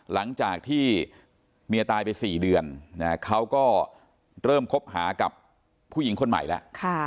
หลังจากที่เมียตายไป๔เดือนเขาก็เริ่มคบหากับผู้หญิงคนใหม่แล้ว